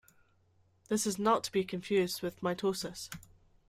This is not to be confused with mitosis.